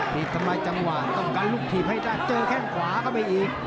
บีบทำลายจังหวะต้องการลูกถีบให้ได้เจอแข้งขวาเข้าไปอีก